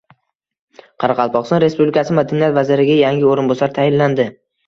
Qoraqalpog‘iston Respublikasi madaniyat vaziriga yangi o‘rinbosar tayinlandi